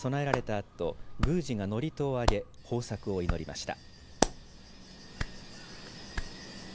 あと宮司が祝詞をあげ豊作を祈りました。